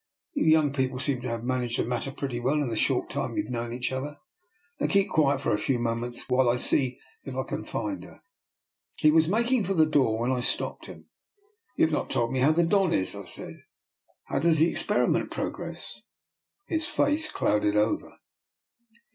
You young people seem to have managed the matter pretty well in the short time you have known each other. Now keep quiet for a few moments while I see if I can find her." He was making for the door, when I stopped him. " You have not told me how the Don is," I said. " How does the experiment pro gress." His face clouded over.